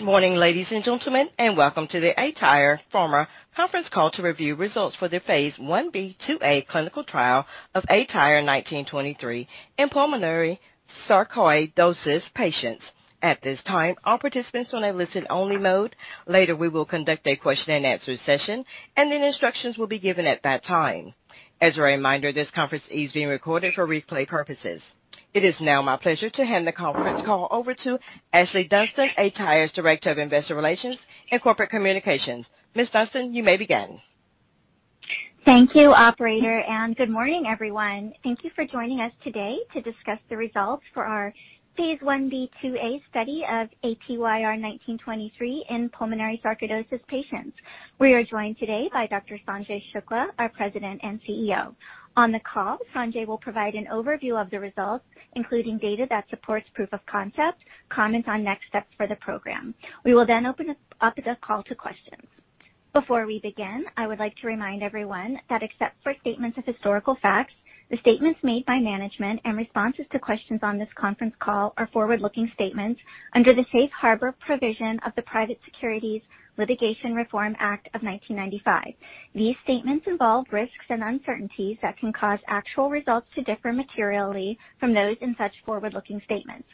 Good morning, ladies and gentlemen, welcome to the aTyr Pharma conference call to review results for their phase I-B/II-A clinical trial of ATYR1923 in pulmonary sarcoidosis patients. At this time, all participants are on a listen-only mode. Later, we will conduct a question-and-answer session, and the instructions will be given at that time. As a reminder, this conference is being recorded for replay purposes. It is now my pleasure to hand the conference call over to Ashlee Dunston, aTyr's Director of Investor Relations and Corporate Communications. Ms. Dunston, you may begin. Thank you, operator. Good morning, everyone. Thank you for joining us today to discuss the results for our phase I-B/II-A study of ATYR1923 in pulmonary sarcoidosis patients. We are joined today by Dr. Sanjay S. Shukla, our President and CEO. On the call, Sanjay will provide an overview of the results, including data that supports proof of concept, and comments on next steps for the program. We will open up the call to questions. Before we begin, I would like to remind everyone that except for statements of historical facts, the statements made by management and responses to questions on this conference call are forward-looking statements under the Safe Harbor provision of the Private Securities Litigation Reform Act of 1995. These statements involve risks and uncertainties that can cause actual results to differ materially from those in such forward-looking statements.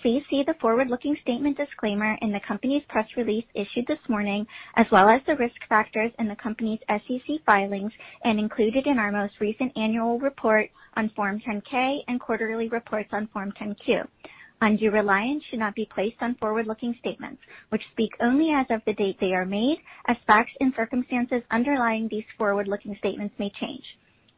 Please see the forward-looking statement disclaimer in the company's press release issued this morning, as well as the risk factors in the company's SEC filings and included in our most recent annual report on Form 10-K and quarterly reports on Form 10-Q. Undue reliance should not be placed on forward-looking statements which speak only as of the date they are made, as facts and circumstances underlying these forward-looking statements may change.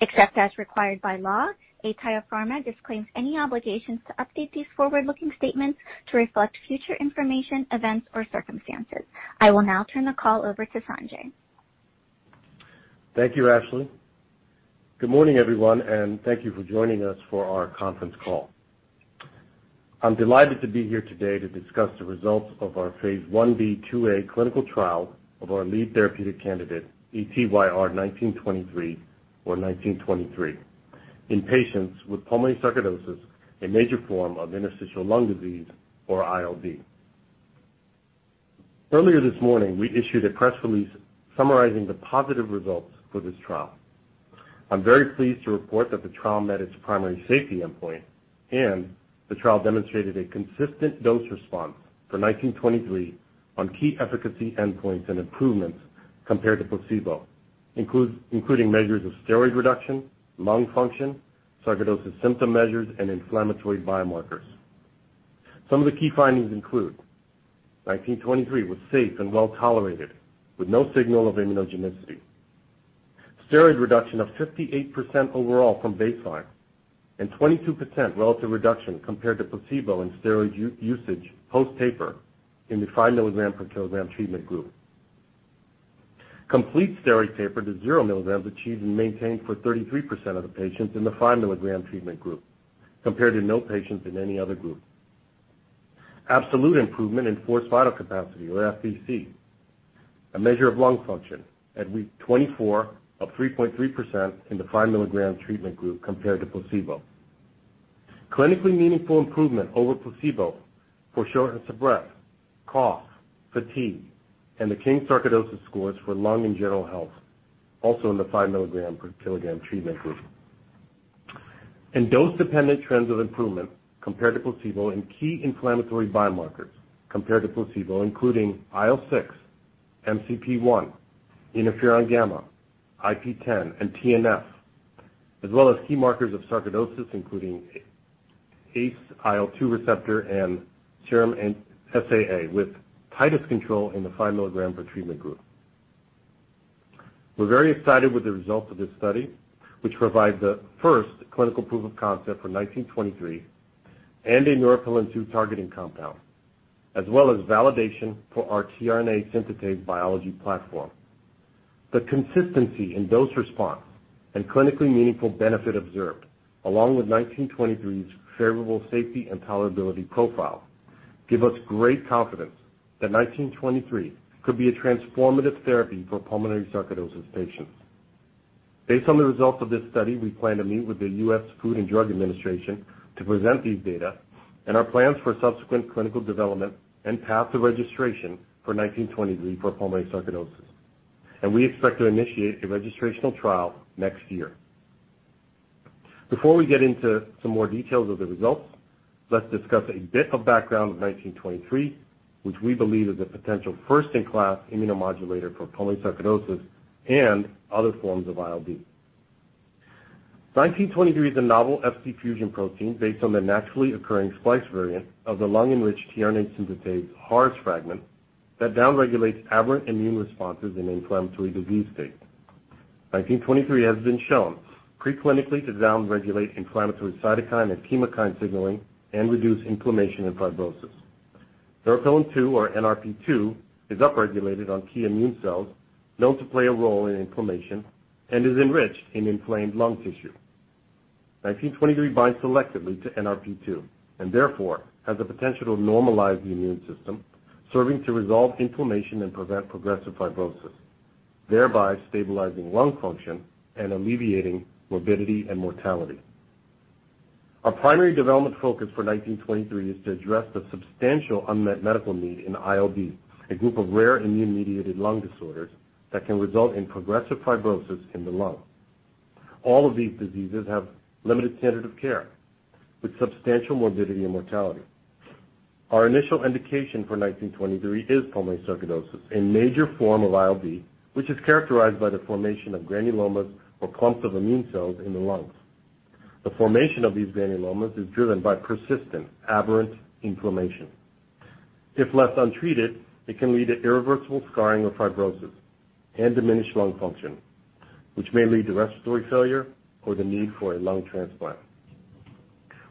Except as required by law, aTyr Pharma disclaims any obligations to update these forward-looking statements to reflect future information, events, or circumstances. I will now turn the call over to Sanjay. Thank you, Ashlee Dunston. Good morning, everyone, and thank you for joining us for our conference call. I'm delighted to be here today to discuss the results of our phase I-B/II-A clinical trial of our lead therapeutic candidate, ATYR1923 or 1923, in patients with pulmonary sarcoidosis, a major form of interstitial lung disease or ILD. Earlier this morning, we issued a press release summarizing the positive results for this trial. I'm very pleased to report that the trial met its primary safety endpoint, and the trial demonstrated a consistent dose response for ATYR1923 on key efficacy endpoints and improvements compared to placebo, including measures of steroid reduction, lung function, sarcoidosis symptom measures, and inflammatory biomarkers. Some of the key findings include ATYR1923 was safe and well-tolerated with no signal of immunogenicity. Steroid reduction of 58% overall from baseline and 22% relative reduction compared to placebo and steroid usage post-taper in the 5 milligram per kg treatment group. Complete steroid taper to 0 milligram was achieved and maintained for 33% of the patients in the 5-milligram treatment group compared to no patients in any other group. Absolute improvement in forced vital capacity or FVC, a measure of lung function, at week 24 of 3.3% in the 5 milligram treatment group compared to placebo. Clinically meaningful improvement over placebo for shortness of breath, cough, fatigue, and the King's Sarcoidosis scores for lung and general health, also in the 5 milligram per kg treatment group. Dose-dependent trends of improvement compared to placebo in key inflammatory biomarkers compared to placebo, including IL-6, MCP-1, interferon gamma, IP-10, and TNF, as well as key markers of sarcoidosis, including ACE, IL-2 receptor, and serum SAA with titer control in the 5 milligram per treatment group. We're very excited with the results of this study, which provides the first clinical proof of concept for ATYR1923 and a Neuropilin 2 targeting compound, as well as validation for our tRNA synthetase biology platform. The consistency in dose response and clinically meaningful benefit observed along with ATYR1923's favorable safety and tolerability profile give us great confidence that ATYR1923 could be a transformative therapy for pulmonary sarcoidosis patients. Based on the results of this study, we plan to meet with the US Food and Drug Administration to present these data and our plans for subsequent clinical development and path to registration for ATYR1923 for pulmonary sarcoidosis. We expect to initiate a registrational trial next year. Before we get into some more details of the results, let's discuss a bit of background of ATYR1923, which we believe is a potential first-in-class immunomodulator for pulmonary sarcoidosis and other forms of ILD. ATYR1923 is a novel Fc fusion protein based on the naturally occurring splice variant of the lung-enriched tRNA synthetase HARS fragment that down-regulates aberrant immune responses in inflammatory disease states. ATYR1923 has been shown preclinically to down-regulate inflammatory cytokine and chemokine signaling and reduce inflammation and fibrosis. Neuropilin 2 or NRP2 is upregulated on key immune cells known to play a role in inflammation and is enriched in inflamed lung tissue. ATYR1923 binds selectively to NRP2 and therefore has the potential to normalize the immune system, serving to resolve inflammation and prevent progressive fibrosis, thereby stabilizing lung function and alleviating morbidity and mortality. Our primary development focus for ATYR1923 is to address the substantial unmet medical need in ILD, a group of rare immune-mediated lung disorders that can result in progressive fibrosis in the lung. All of these diseases have a limited standard of care with substantial morbidity and mortality. Our initial indication for ATYR1923 is pulmonary sarcoidosis, a major form of ILD, which is characterized by the formation of granulomas or clumps of immune cells in the lungs. The formation of these granulomas is driven by persistent aberrant inflammation. If left untreated, it can lead to irreversible scarring or fibrosis and diminished lung function, which may lead to respiratory failure or the need for a lung transplant.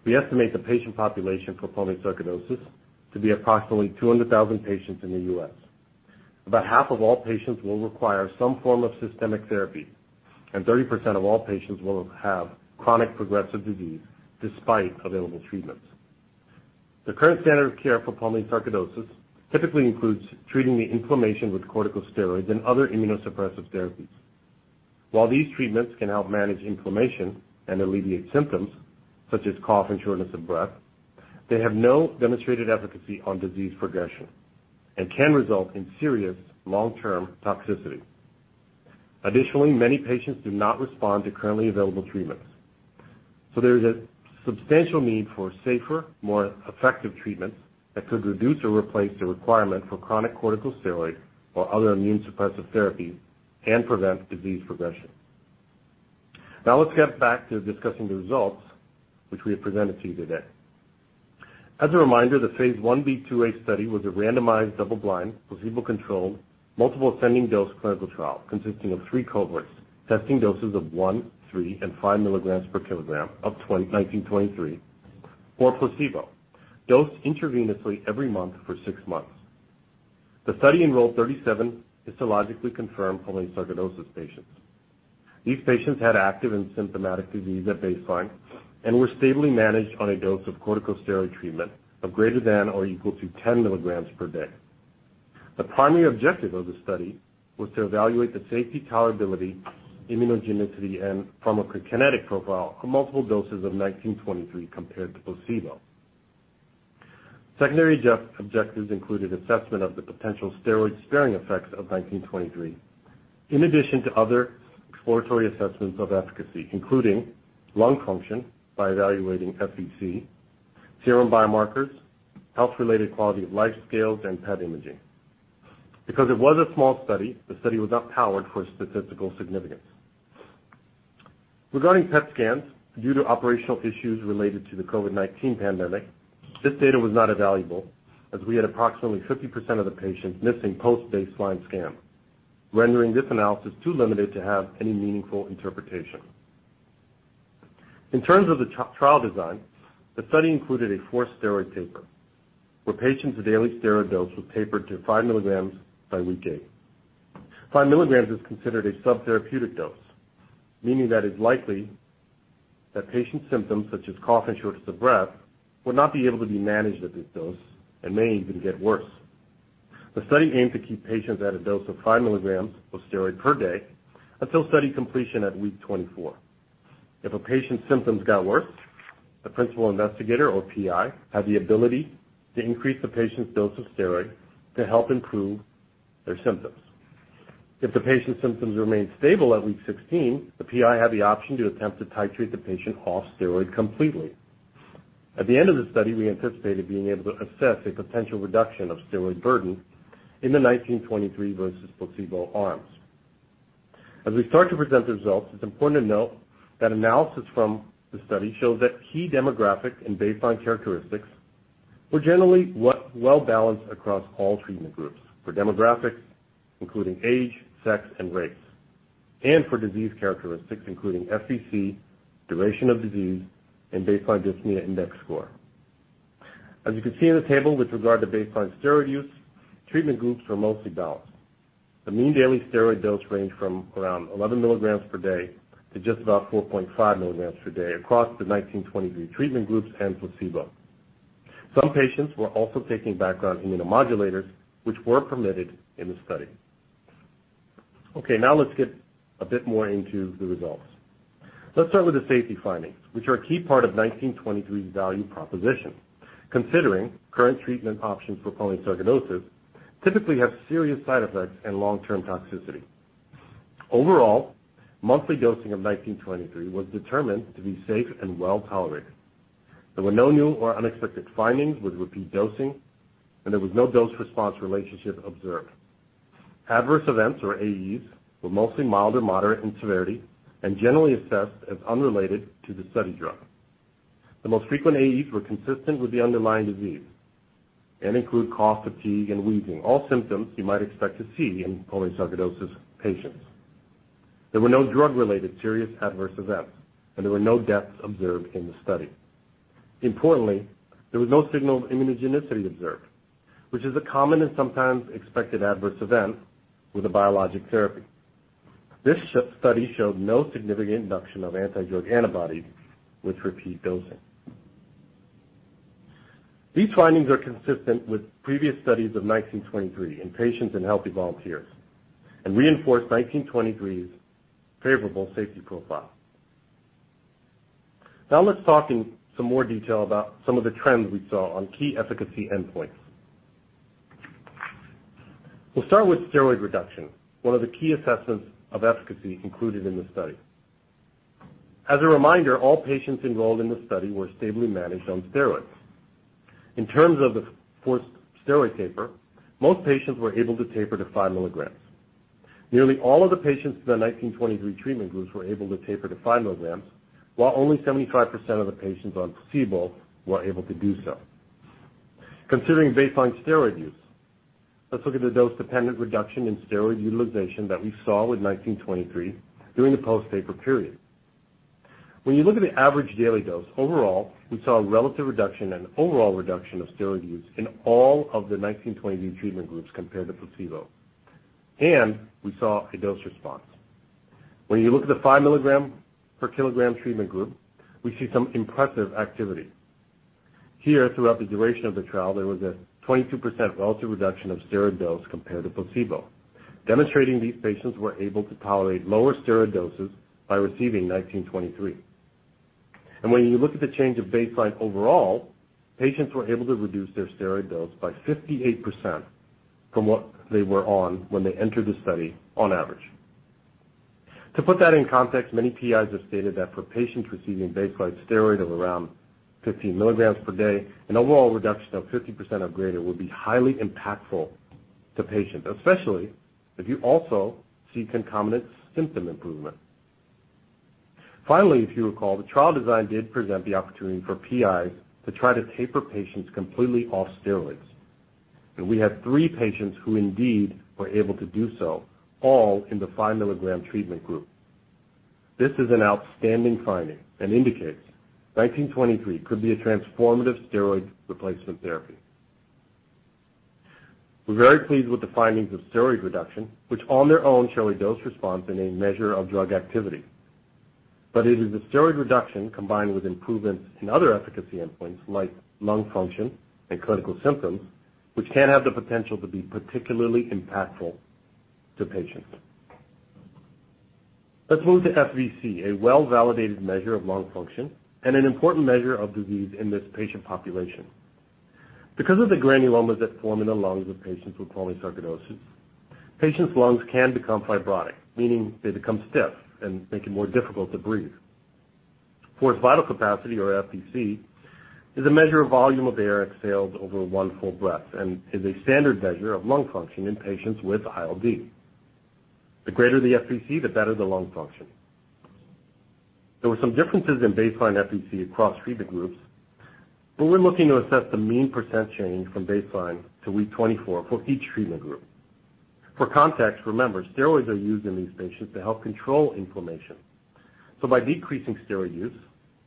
We estimate the patient population for pulmonary sarcoidosis to be approximately 200,000 patients in the U.S. About half of all patients will require some form of systemic therapy, and 30% of all patients will have chronic progressive disease despite available treatments. The current standard of care for pulmonary sarcoidosis typically includes treating the inflammation with corticosteroids and other immunosuppressive therapies. While these treatments can help manage inflammation and alleviate symptoms such as cough and shortness of breath, they have no demonstrated efficacy on disease progression and can result in serious long-term toxicity. Additionally, many patients do not respond to currently available treatments. There is a substantial need for safer, more effective treatments that could reduce or replace the requirement for chronic corticosteroids or other immune suppressive therapies and prevent disease progression. Let's get back to discussing the results which we have presented to you today. As a reminder, the phase I-B/II-A study was a randomized, double-blind, placebo-controlled, multiple ascending-dose clinical trial consisting of 3 cohorts testing doses of 1, 3, and 5 milligram per kg of ATYR1923 or placebo dosed intravenously every month for six months. The study enrolled 37 histologically confirmed pulmonary sarcoidosis patients. These patients had active and symptomatic disease at baseline and were stably managed on a dose of corticosteroid treatment of greater than or equal to 10 milligram per day. The primary objective of the study was to evaluate the safety, tolerability, immunogenicity, and pharmacokinetic profile for multiple doses of ATYR1923 compared to placebo. Secondary objectives included assessment of the potential steroid-sparing effects of ATYR1923, in addition to other exploratory assessments of efficacy, including lung function by evaluating FVC, serum biomarkers, health-related quality of life scales, and PET imaging. It was a small study, the study was not powered for statistical significance. Regarding PET scans, due to operational issues related to the COVID-19 pandemic, this data was not available, as we had approximately 50% of the patients missing post-baseline scans, rendering this analysis too limited to have any meaningful interpretation. In terms of the trial design, the study included a forced steroid taper, where patients' daily steroid dose was tapered to 5 milligram by week 8. 5 milligram is considered a subtherapeutic dose, meaning that it's likely that patients' symptoms, such as cough and shortness of breath, would not be able to be managed at this dose and may even get worse. The study aimed to keep patients at a dose of 5 milligram of steroid per day until study completion at week 24. If a patient's symptoms got worse, the principal investigator or PI had the ability to increase the patient's dose of steroid to help improve their symptoms. If the patient's symptoms remained stable at week 16, the PI had the option to attempt to titrate the patient off steroids completely. At the end of the study, we anticipated being able to assess a potential reduction of steroid burden in the ATYR1923 versus placebo arms. As we start to present the results, it's important to note that analysis from the study shows that key demographic and baseline characteristics were generally well-balanced across all treatment groups for demographics, including age, sex, and race, and for disease characteristics, including FVC, duration of disease, and Baseline Dyspnea Index score. As you can see in the table with regard to baseline steroid use, treatment groups were mostly balanced. The mean daily steroid dose ranged from around 11 milligrams per day to just about 4.5 milligrams per day across the ATYR1923 treatment groups and placebo. Some patients were also taking background immunomodulators, which were permitted in the study. Okay, now let's get a bit more into the results. Let's start with the safety findings, which are a key part of ATYR1923's value proposition, considering current treatment options for pulmonary sarcoidosis typically have serious side effects and long-term toxicity. Overall, monthly dosing of ATYR1923 was determined to be safe and well-tolerated. There were no new or unexpected findings with repeat dosing, and there was no dose-response relationship observed. Adverse events or AEs were mostly mild or moderate in severity and generally assessed as unrelated to the study drug. The most frequent AEs were consistent with the underlying disease and included cough, fatigue, and wheezing, all symptoms you might expect to see in pulmonary sarcoidosis patients. There were no drug-related serious adverse events, and there were no deaths observed in the study. Importantly, there was no signal of immunogenicity observed, which is a common and sometimes expected adverse event with a biologic therapy. This study showed no significant induction of anti-drug antibodies with repeat dosing. These findings are consistent with previous studies of ATYR1923 in patients and healthy volunteers and reinforce ATYR1923's favorable safety profile. Now let's talk in some more detail about some of the trends we saw on key efficacy endpoints. We'll start with steroid reduction, one of the key assessments of efficacy included in the study. As a reminder, all patients enrolled in the study were stably managed on steroids. In terms of the forced steroid taper, most patients were able to taper to 5 milligrams. Nearly all of the patients in the ATYR1923 treatment groups were able to taper to 5 milligrams, while only 75% of the patients on placebo were able to do so. Considering baseline steroid use, let's look at the dose-dependent reduction in steroid utilization that we saw with ATYR1923 during the post-taper period. When you look at the average daily dose, overall, we saw a relative reduction and an overall reduction of steroid use in all of the ATYR1923 treatment groups compared to placebo, and we saw a dose response. When you look at the 5 milligram per kg treatment group, we see some impressive activity. Here, throughout the duration of the trial, there was a 22% relative reduction of steroid dose compared to placebo, demonstrating these patients were able to tolerate lower steroid doses by receiving ATYR1923. When you look at the change of baseline overall, patients were able to reduce their steroid dose by 58% from what they were on when they entered the study, on average. To put that in context, many PIs have stated that for patients receiving baseline steroids of around 15 milligram per day, an overall reduction of 50% or greater would be highly impactful to patients, especially if you also see concomitant symptom improvement. Finally, if you recall, the trial design did present the opportunity for PIs to try to taper patients completely off steroids, and we had three patients who indeed were able to do so, all in the 5 milligram treatment group. This is an outstanding finding and indicates ATYR1923 could be a transformative steroid replacement therapy. We're very pleased with the findings of steroid reduction, which on their own show a dose response and a measure of drug activity. It is the steroid reduction combined with improvements in other efficacy endpoints like lung function and clinical symptoms, which can have the potential to be particularly impactful to patients. Let's move to FVC, a well-validated measure of lung function and an important measure of disease in this patient population. Because of the granulomas that form in the lungs of patients with chronic sarcoidosis, patients' lungs can become fibrotic, meaning they become stiff and make it more difficult to breathe. Forced vital capacity, or FVC, is a measure of the volume of air exhaled over 1 full breath and is a standard measure of lung function in patients with ILD. The greater the FVC, the better the lung function. There were some differences in baseline FVC across treatment groups, but we're looking to assess the mean percent change from baseline to week 24 for each treatment group. For context, remember, steroids are used in these patients to help control inflammation. By decreasing steroid use,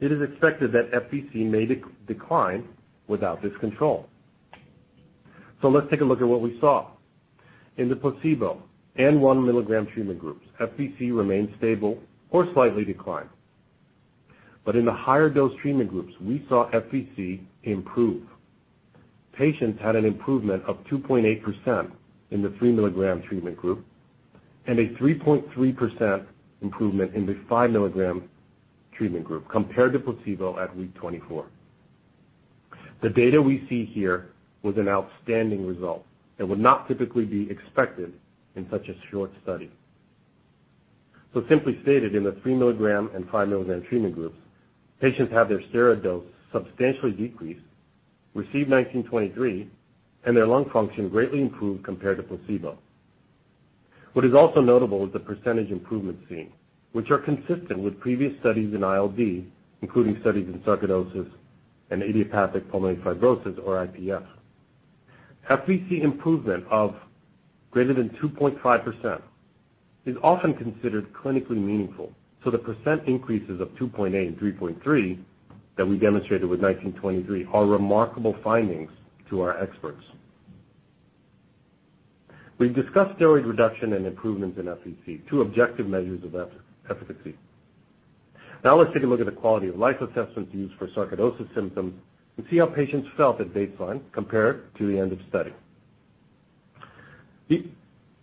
it is expected that FVC may decline without this control. Let's take a look at what we saw. In the placebo and 1 milligram treatment groups, FVC remained stable or slightly declined. In the higher dose treatment groups, we saw FVC improve. Patients had an improvement of 2.8% in the 3 milligram treatment group and a 3.3% improvement in the 5 milligram treatment group compared to placebo at week 24. The data we see here was an outstanding result and would not typically be expected in such a short study. Simply stated, in the 3 milligram and 5 milligram treatment groups, patients had their steroid dose substantially decreased, received ATYR1923, and their lung function greatly improved compared to placebo. What is also notable is the % improvements seen, which are consistent with previous studies in ILD, including studies in sarcoidosis and idiopathic pulmonary fibrosis, or IPF. FVC improvement of greater than 2.5% is often considered clinically meaningful; the percent increases of 2.8 and 3.3 that we demonstrated with ATYR1923 are remarkable findings to our experts. We've discussed steroid reduction and improvements in FVC, two objective measures of efficacy. Now let's take a look at the quality-of-life assessments used for sarcoidosis symptoms and see how patients felt at baseline compared to the end of study.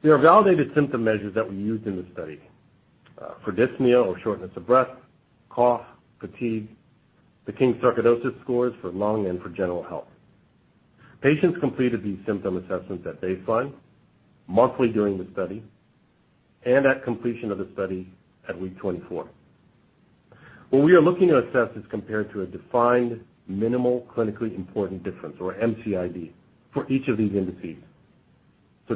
There are validated symptom measures that we used in the study for dyspnea or shortness of breath, cough, fatigue, the King Sarcoidosis scores for lung, and for general health. Patients completed these symptom assessments at baseline, monthly during the study, and at completion of the study at week 24. What we are looking to assess is compared to a defined minimal clinically important difference, or MCID, for each of these indices.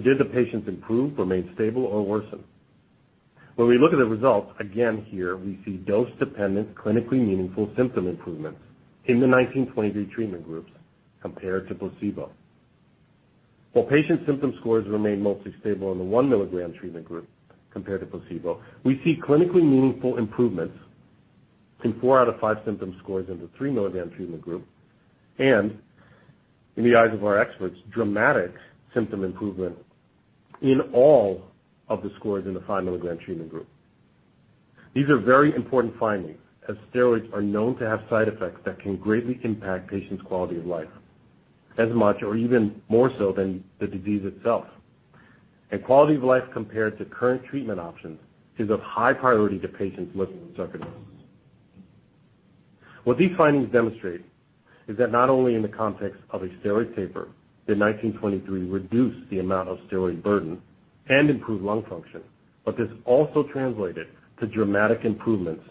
Did the patients improve, remain stable, or worsen? When we look at the results, again, here we see dose-dependent clinically meaningful symptom improvements in the ATYR1923 treatment groups compared to placebo. While patient symptom scores remain mostly stable in the 1 milligram treatment group compared to placebo, we see clinically meaningful improvements in four out of five symptom scores in the 3-milligram treatment group and, in the eyes of our experts, dramatic symptom improvement in all of the scores in the 5-milligram treatment group. These are very important findings, as steroids are known to have side effects that can greatly impact patients' quality of life as much or even more so than the disease itself. Quality of life compared to current treatment options is of high priority to patients with sarcoidosis. What these findings demonstrate is that not only in the context of a steroid taper did ATYR1923 reduce the amount of steroid burden and improve lung function, but this also translated to dramatic improvements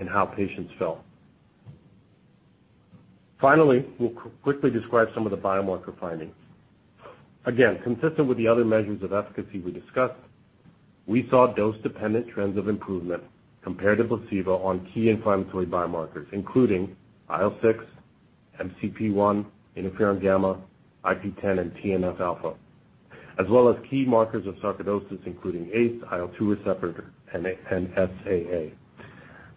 in how patients felt. Finally, we'll quickly describe some of the biomarker findings. Again, consistent with the other measures of efficacy we discussed, we saw dose-dependent trends of improvement compared to placebo on key inflammatory biomarkers, including IL-6, MCP-1, interferon gamma, IP-10, and TNF-alpha, as well as key markers of sarcoidosis, including ACE, IL-2 receptor, and SAA.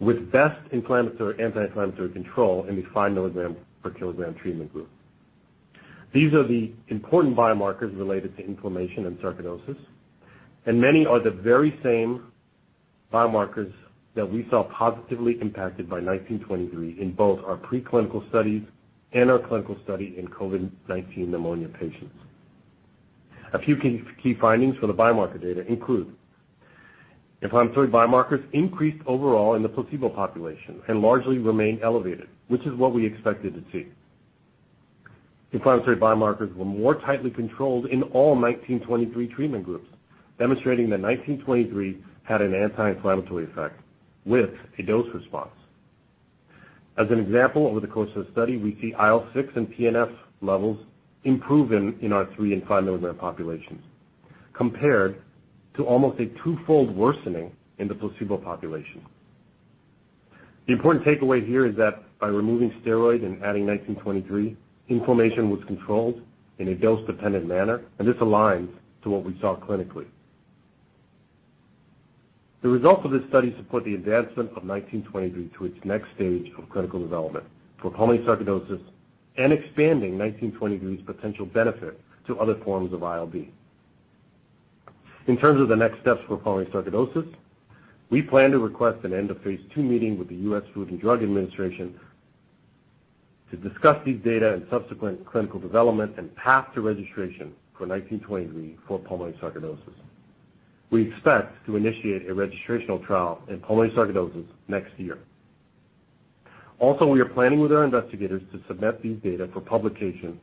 With the best anti-inflammatory control in the 5 milligram per kg treatment group. These are the important biomarkers related to inflammation and sarcoidosis, and many are the very same biomarkers that we saw positively impacted by ATYR1923 in both our preclinical studies and our clinical study in COVID-19 pneumonia patients. A few key findings for the biomarker data include inflammatory biomarkers increased overall in the placebo population and largely remain elevated, which is what we expected to see. Inflammatory biomarkers were more tightly controlled in all ATYR1923 treatment groups, demonstrating that ATYR1923 had an anti-inflammatory effect with a dose response. Over the course of the study, we see IL-6 and TNF levels improve in our 3 and 5-milligram populations compared to almost a two-fold worsening in the placebo population. The important takeaway here is that by removing steroids and adding ATYR1923, inflammation was controlled in a dose-dependent manner, and this aligns to what we saw clinically. The results of this study support the advancement of ATYR1923 to its next stage of clinical development for pulmonary sarcoidosis and expanding ATYR1923's potential benefit to other forms of ILD. In terms of the next steps for pulmonary sarcoidosis, we plan to request an end-of-phase II meeting with the US Food and Drug Administration to discuss these data and subsequent clinical development and path to registration for ATYR1923 for pulmonary sarcoidosis. We expect to initiate a registrational trial in pulmonary sarcoidosis next year. We are planning with our investigators to submit these data for publication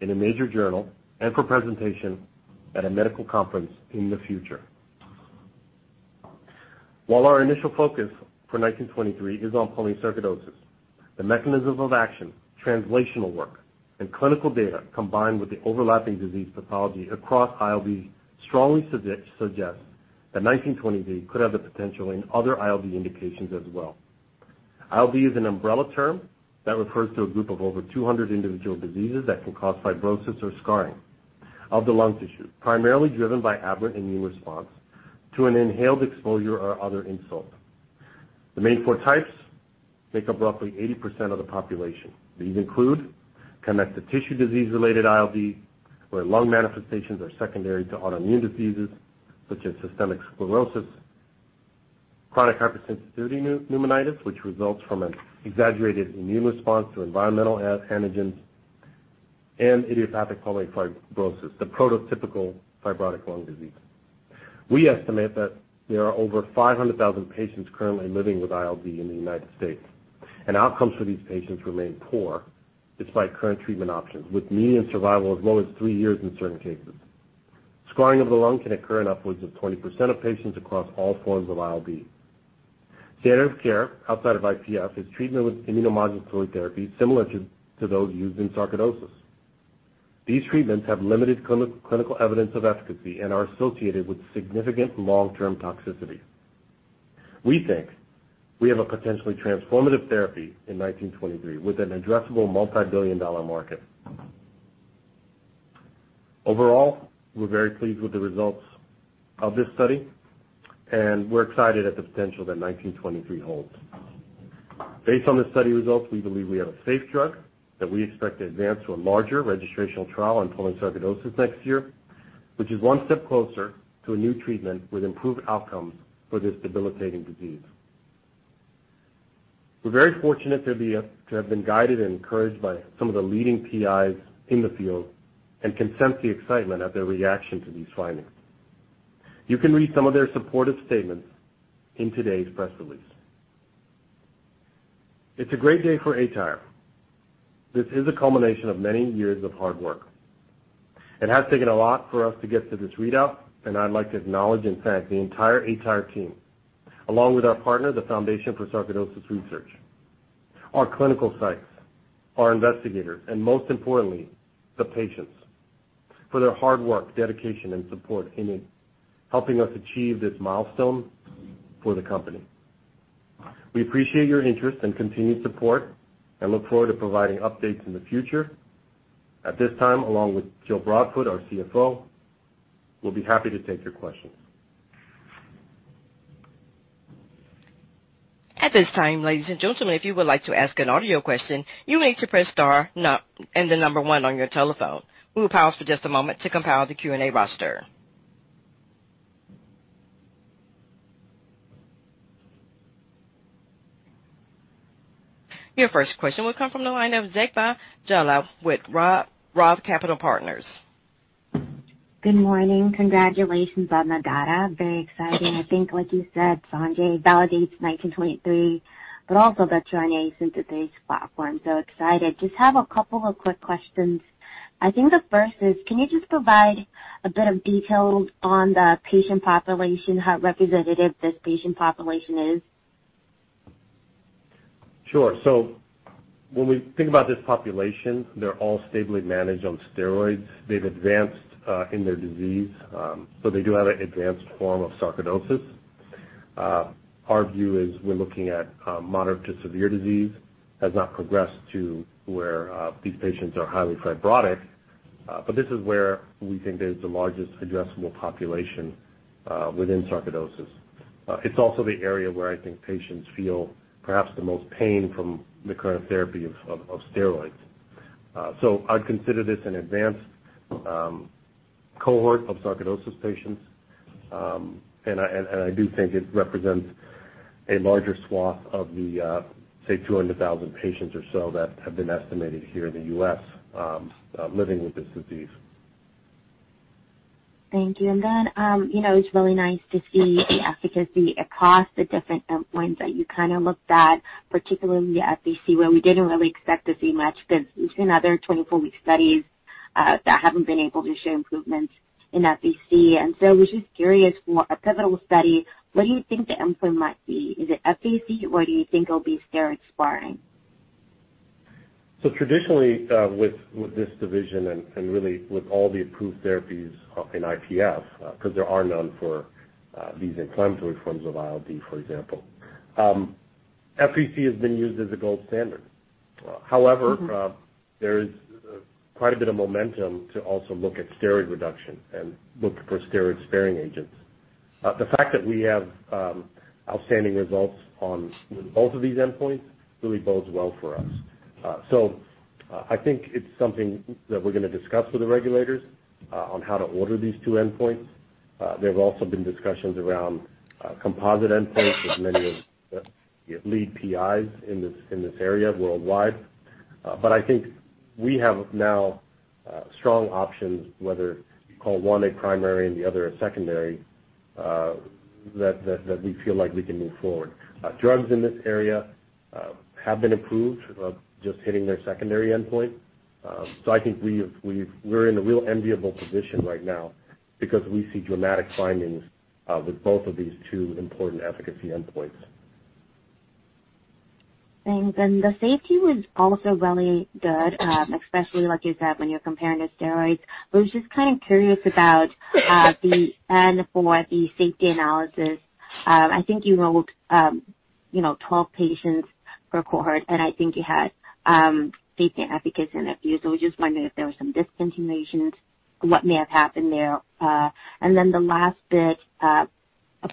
in a major journal and for presentation at a medical conference in the future. While our initial focus for ATYR1923 is on pulmonary sarcoidosis, the mechanism of action, translational work, and clinical data combined with the overlapping disease pathology across ILD, strongly suggest that ATYR1923 could have the potential in other ILD indications as well. ILD is an umbrella term that refers to a group of over 200 individual diseases that can cause fibrosis or scarring of the lung tissue, primarily driven by aberrant immune response to an inhaled exposure or other insult. The main 4 types make up roughly 80% of the population. These include connective tissue disease-related ILD, where lung manifestations are secondary to autoimmune diseases such as systemic sclerosis, chronic hypersensitivity pneumonitis, which results from an exaggerated immune response to environmental antigens, and idiopathic pulmonary fibrosis, the prototypical fibrotic lung disease. We estimate that there are over 500,000 patients currently living with ILD in the U.S., and outcomes for these patients remain poor despite current treatment options, with median survival as low as three years in certain cases. Scarring of the lung can occur in upwards of 20% of patients across all forms of ILD. Standard of care outside of IPF is treatment with immunomodulatory therapy similar to that used in sarcoidosis. These treatments have limited clinical evidence of efficacy and are associated with significant long-term toxicity. We think we have a potentially transformative therapy in ATYR1923 with an addressable multibillion-dollar market. Overall, we're very pleased with the results of this study, and we're excited at the potential that ATYR1923 holds. Based on the study results, we believe we have a safe drug that we expect to advance to a larger registrational trial in pulmonary sarcoidosis next year, which is one step closer to a new treatment with improved outcomes for this debilitating disease. We're very fortunate to have been guided and encouraged by some of the leading PIs in the field and can sense the excitement of their reaction to these findings. You can read some of their supportive statements in today's press release. It's a great day for aTyr. This is a culmination of many years of hard work. It has taken a lot for us to get to this readout, and I'd like to acknowledge and thank the entire aTyr team, along with our partner, the Foundation for Sarcoidosis Research, our clinical sites, our investigators, and, most importantly, the patients for their hard work, dedication, and support in helping us achieve this milestone for the company. We appreciate your interest and continued support and look forward to providing updates in the future. At this time, along with Jill M. Broadfoot, our CFO, we'll be happy to take your questions. At this time, ladies and gentlemen, if you would like to ask an audio question, you will need to press star and the number one on your telephone. We will pause for just a moment to compile the Q&A roster. Your first question will come from the line of Zegbeh Jallah with Roth Capital Partners. Good morning. Congratulations on the data. Very exciting. I think like you said, Sanjay, validates ATYR1923, but also the tRNA synthetase platform, so excited. Just have a couple of quick questions. I think the first is, can you just provide a bit of detail on the patient population, and how representative this patient population is? Sure. When we think about this population, they're all stably managed on steroids. They've advanced in their disease, so they do have an advanced form of sarcoidosis. Our view is we're looking at moderate to severe disease, has not progressed to where these patients are highly fibrotic. This is where we think there's the largest addressable population within sarcoidosis. It's also the area where I think patients feel perhaps the most pain from the current therapy of steroids. I'd consider this an advanced cohort of sarcoidosis patients, and I do think it represents a larger swath of the, say, 200,000 patients or so that have been estimated here in the U.S. living with this disease. Thank you. It's really nice to see the efficacy across the different endpoints that you looked at, particularly FVC, where we didn't really expect to see much because we've seen other 24-week studies that haven't been able to show improvements in FVC. I was just curious, for a pivotal study, what do you think the endpoint might be? Is it FVC, or do you think it'll be steroid-sparing? Traditionally, with this division and really with all the approved therapies in IPF, because there are none for these inflammatory forms of ILD, for example. FVC has been used as a gold standard. However. There is quite a bit of momentum to also look at steroid reduction and look for steroid-sparing agents. The fact that we have outstanding results with both of these endpoints really bodes well for us. I think it's something that we're going to discuss with the regulators on how to order these two endpoints. There have also been discussions around composite endpoints with many of the lead PIs in this area worldwide. I think we have now strong options, whether you call one a primary and the other a secondary, that we feel like we can move forward. Drugs in this area have been approved, just hitting their secondary endpoint. I think we're in a real enviable position right now because we see dramatic findings with both of these two important efficacy endpoints. Thanks. The safety was also really good, especially like you said, when you're comparing to steroids. I was just curious about the N for the safety analysis. I think you enrolled 12 patients per cohort, and I think you had safety and efficacy in a few. We just wondering if there were some discontinuations, what may have happened there. The last bit, a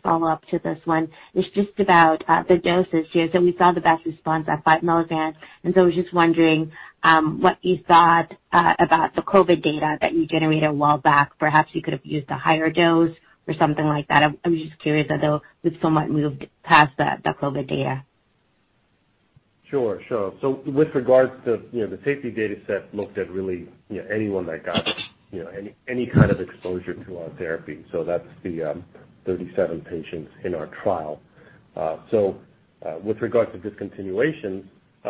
follow-up to this one, is just about the doses here. We saw the best response at 5 milligrams, and so I was just wondering what you thought about the COVID-19 data that you generated a while back. Perhaps you could have used a higher dose or something like that. I'm just curious, although we've somewhat moved past that COVID-19 data. Sure. With regards to the safety dataset looked at really anyone that got any kind of exposure to our therapy. That's the 37 patients in our trial. With regards to discontinuations,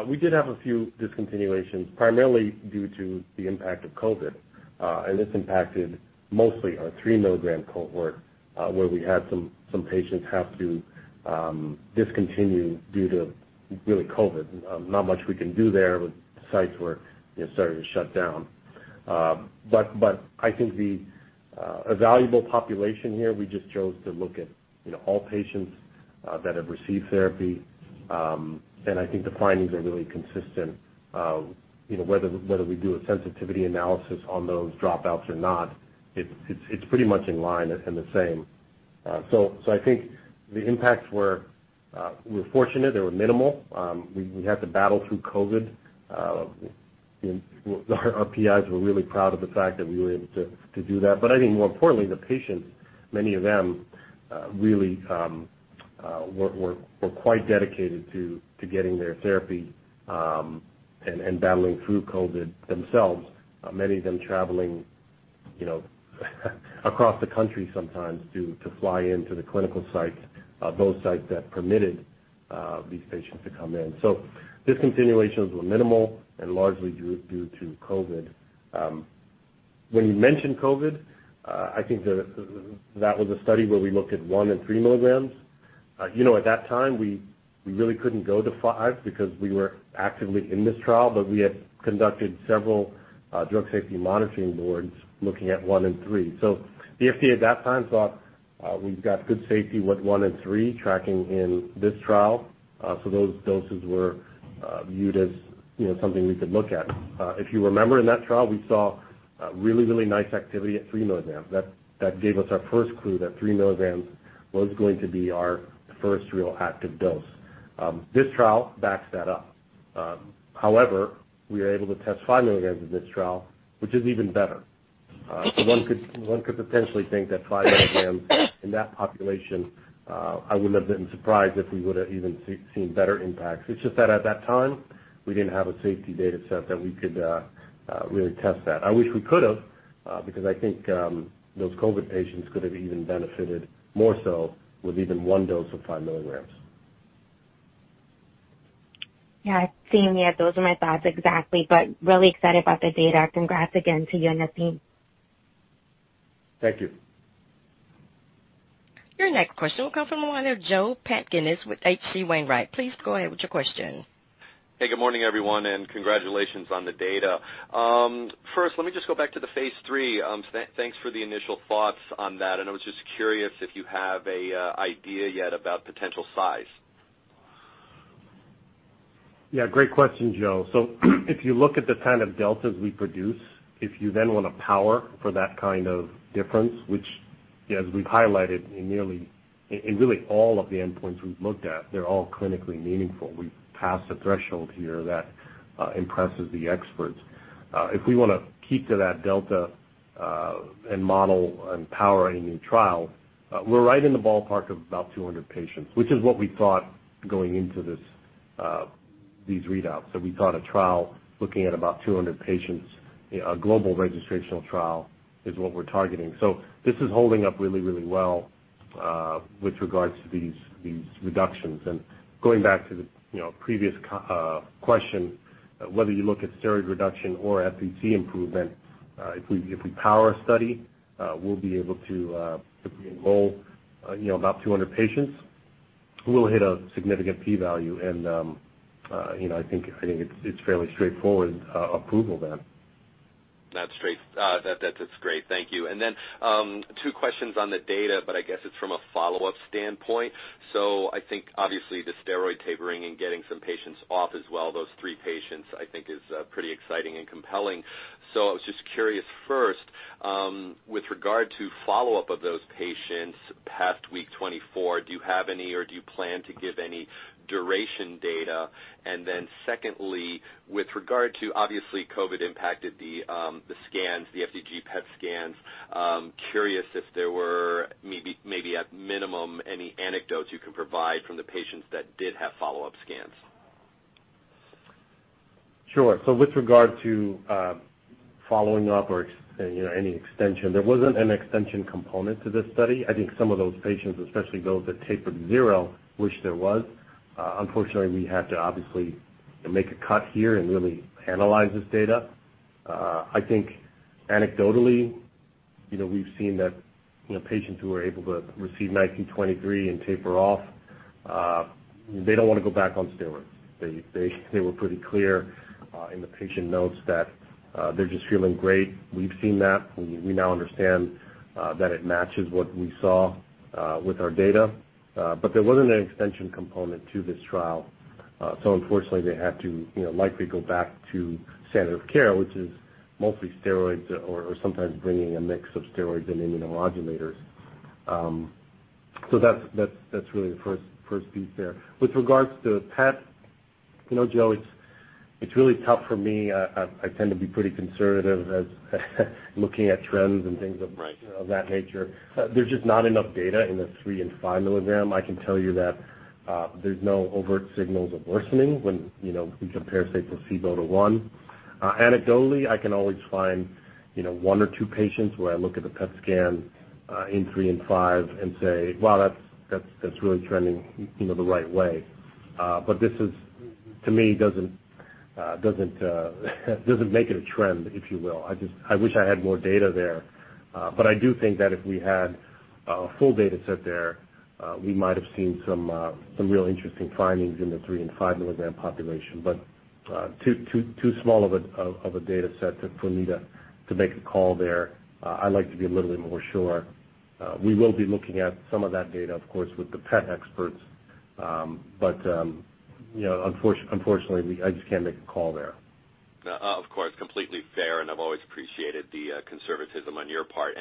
we did have a few discontinuations, primarily due to the impact of COVID-19. This impacted mostly our 3-milligram cohort, where we had some patients have to discontinue due to really COVID-19. Not much we can do there with sites were starting to shut down. I think a valuable population here, we just chose to look at all patients that have received therapy. I think the findings are really consistent. Whether we do a sensitivity analysis on those dropouts or not, it's pretty much in line and the same. I think the impacts were fortunate. They were minimal. We had to battle through COVID-19. Our PIs were really proud of the fact that we were able to do that. I think more importantly, the patients, many of them really were quite dedicated to getting their therapy, and battling through COVID-19 themselves. Many of them traveling across the country sometimes to fly into the clinical sites, those sites that permitted these patients to come in. Discontinuations were minimal and largely due to COVID-19. When you mentioned COVID-19, I think that was a study where we looked at 1 and 3 milligrams. At that time, we really couldn't go to 5 because we were actively in this trial, but we had conducted several drug safety monitoring boards looking at 1 and 3. The FDA at that time thought we've got good safety with 1 and 3 tracking in this trial. Those doses were viewed as something we could look at. If you remember in that trial, we saw really nice activity at 3 milligrams. That gave us our first clue that 3 milligrams was going to be our first real active dose. This trial backs that up. However, we are able to test 5 milligrams in this trial, which is even better. One could potentially think that 5 milligrams in that population, I wouldn't have been surprised if we would've even seen better impacts. It's just that at that time, we didn't have a safety data set that we could really test that. I wish we could have because I think those COVID-19 patients could have even benefited more, so with even one dose of 5 milligrams. Yeah. Same here. Those are my thoughts exactly, but really excited about the data. Congrats again to you and your team. Thank you. Your next question will come from the line of Joe Pantginis with H.C. Wainwright. Please go ahead with your question. Hey, good morning, everyone, and congratulations on the data. First, let me just go back to phase III. Thanks for the initial thoughts on that. I was just curious if you have an idea yet about potential size. Great question, Joe. If you look at the kind of deltas we produce, if you want to power for that kind of difference, which, as we've highlighted in really all of the endpoints we've looked at, they're all clinically meaningful. We've passed a threshold here that impresses the experts. If we want to keep to that delta and model and power any new trial, we're right in the ballpark of about 200 patients, which is what we thought going into these readouts. We thought a trial looking at about 200 patients, a global registrational trial is what we're targeting. This is holding up really well with regard to these reductions. Going back to the previous question, whether you look at steroid reduction or FVC improvement, if we power a study, we'll be able to enroll about 200 patients. We'll hit a significant p-value, and I think it's fairly straightforward approval then. That's great. Thank you. Then, two questions on the data, but I guess it's from a follow-up standpoint. I think obviously the steroid tapering and getting some patients off as well, those three patients, I think, is pretty exciting and compelling. I was just curious first, with regard to follow-up of those patients past week 24, do you have any, or do you plan to give any duration data? Secondly, with regard to obviously COVID-19 impacted the FDG PET scans. Curious if there were maybe at minimum any anecdotes you can provide from the patients that did have follow-up scans. Sure. With regard to following up or any extension, there wasn't an extension component to this study. I think some of those patients, especially those that tapered zero, wish there was. Unfortunately, we had to obviously make a cut here and really analyze this data. I think anecdotally, we've seen that patients who are able to receive ATYR1923 and taper off, they don't want to go back on steroids. They were pretty clear in the patient notes that they're just feeling great. We've seen that. We now understand that it matches what we saw with our data. There wasn't an extension component to this trial. Unfortunately, they had to likely go back to standard of care, which is mostly steroids or sometimes bringing a mix of steroids and immunomodulators. That's really the first piece there. With regards to PET, Joe, it's really tough for me. I tend to be pretty conservative as looking at trends and things. Right of that nature. There's just not enough data in the 3 and 5 milligram. I can tell you that there's no overt signals of worsening when we compare, say, placebo to one. Anecdotally, I can always find 1 or 2 patients where I look at the PET scan in 3 and 5 and say, "Wow, that's really trending the right way." This is to me doesn't make it a trend, if you will. I wish I had more data there. I do think that if we had a full data set there, we might have seen some real interesting findings in the 3 and 5 milligram population. Too small of a data set for me to make a call there. I like to be a little bit more sure. We will be looking at some of that data, of course, with the PET experts. Unfortunately, I just can't make a call there. No. Of course, completely fair, I've always appreciated the conservatism on your part.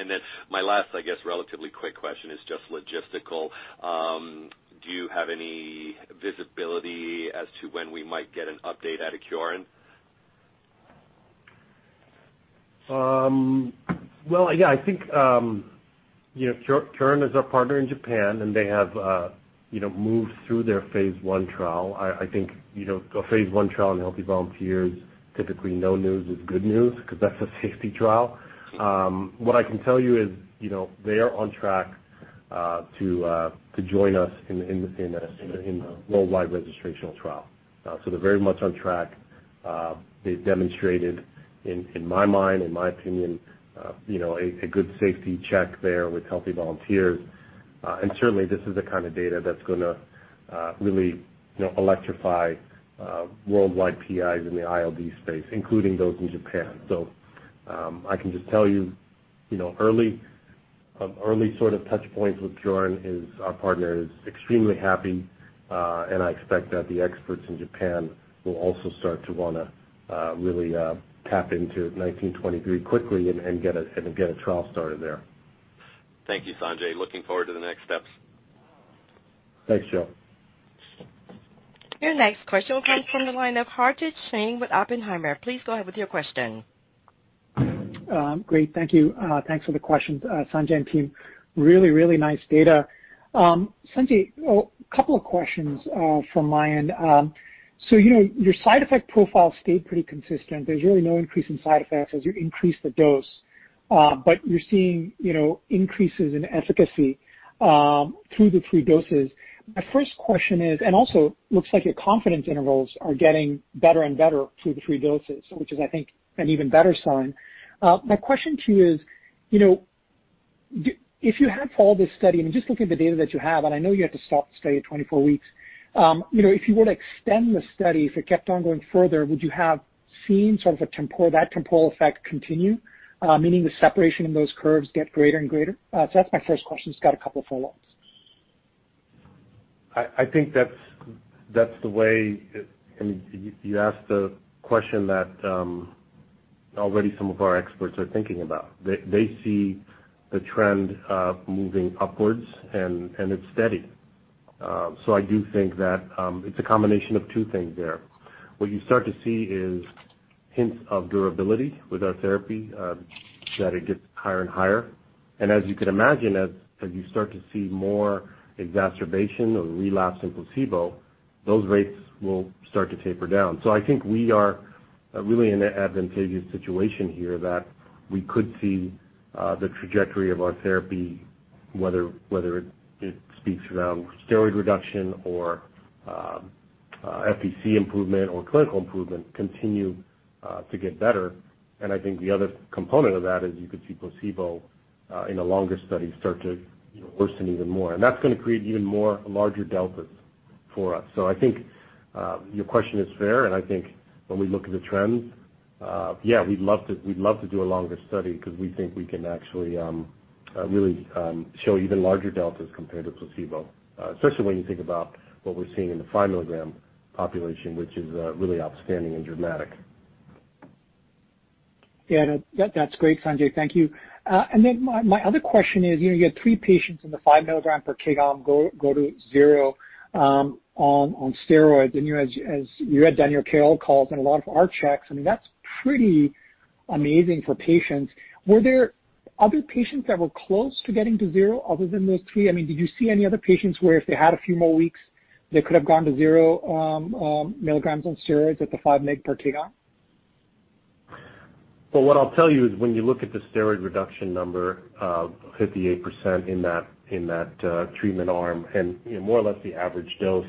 My last, I guess, relatively quick question is just logistical. Do you have any visibility as to when we might get an update out of Kyorin? Well, yeah, I think Kyorin is our partner in Japan. They have moved through their phase I trial. I think in a phase I trial in healthy volunteers, typically, no news is good news because that's a safety trial. What I can tell you is they are on track to join us in a worldwide registrational trial. They're very much on track. They've demonstrated, in my mind, in my opinion, a good safety check there with healthy volunteers. Certainly, this is the kind of data that's going to really electrify worldwide PIs in the ILD space, including those in Japan. I can just tell you early sort of touch points with Kyorin is our partner, are extremely happy. I expect that the experts in Japan will also start to want to really tap into ATYR1923 quickly and get a trial started there. Thank you, Sanjay. Looking forward to the next steps. Thanks, Joe. Your next question will come from the line of Hartaj Singh with Oppenheimer. Please go ahead with your question. Great. Thank you. Thanks for the questions, Sanjay and team. Really, really nice data. Sanjay, a couple of questions from my end. Your side effect profile stayed pretty consistent. There's really no increase in side effects as you increase the dose. You're seeing increases in efficacy through the three doses. My first question. Also, looks like your confidence intervals are getting better and better through the three doses, which is, I think, an even better sign. My question to you is, if you had followed this study, I mean, just looking at the data that you have, and I know you had to stop the study at 24 weeks. If you were to extend the study, if it kept on going further, would you have seen sort of that temporal effect continue? Meaning the separation in those curves get greater and greater? That's my first question. Just got a couple of follow-ups. I think, you asked the question that already some of our experts are thinking about. They see the trend moving upwards, it's steady. I do think that it's a combination of two things there. What you start to see is hints of durability with our therapy, that it gets higher and higher. As you could imagine, as you start to see more exacerbation or relapse in placebo, those rates will start to taper down. I think we are really in an advantageous situation here that we could see the trajectory of our therapy, whether it speaks around steroid reduction or FVC improvement or clinical improvement continue to get better. I think the other component of that is you could see placebo in a longer study start to worsen even more. That's going to create even more larger deltas for us. I think your question is fair, and I think when we look at the trends, yeah, we'd love to do a longer study because we think we can actually really show even larger deltas compared to placebo. Especially when you think about what we're seeing in the 5 milligram population, which is really outstanding and dramatic. Yeah. That's great, Sanjay. Thank you. My other question is, you had three patients in the 5 milligram per kg go to zero on steroids. As you had done your KOL calls and a lot of our checks, I mean, that's pretty amazing for patients. Were there other patients that were close to getting to zero other than those 3? I mean, did you see any other patients where if they had a few more weeks, they could have gone to 0 milligrams on steroids at the 5 milligram per kg? What I'll tell you is when you look at the steroid reduction number of 58% in that treatment arm and more or less the average dose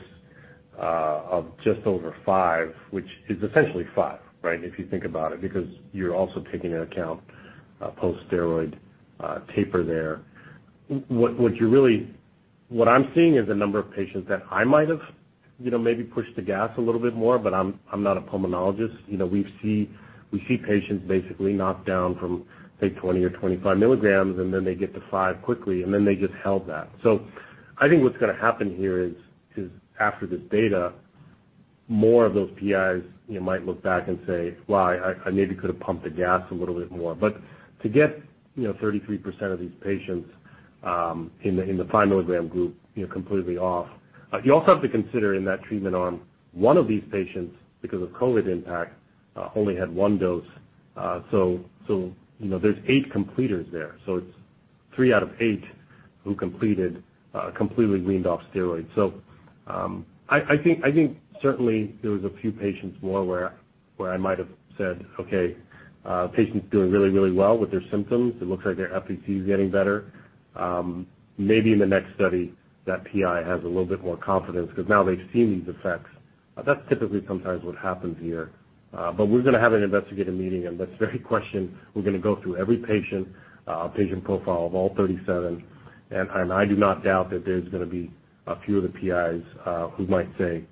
of just over five, which is essentially five, right? If you think about it, because you're also taking into account post-steroid taper there. What I'm seeing is a number of patients that I might have maybe pushed the gas a little bit more, but I'm not a pulmonologist. We see patients basically knocked down from, say, 20 or 25 milligrams, and then they get to five quickly, and then they just held that. I think what's going to happen here is, after this data, more of those PIs might look back and say, "Well, I maybe could have pumped the gas a little bit more." To get 33% of these patients in the 5 milligram group completely off. You also have to consider in that treatment arm, one of these patients, because of COVID-19 impact, only had one dose. There's eight completers there. It's three out of eight who completed, completely weaned off steroids. I think certainly there was a few patients more where I might have said, "Okay, patient's doing really well with their symptoms. It looks like their FVC is getting better." Maybe in the next study, that PI has a little bit more confidence because now they've seen these effects. That's typically sometimes what happens here. We're going to have an investigator meeting. We're going to go through every patient profile of all 37. I do not doubt that there's going to be a few of the PIs who might say,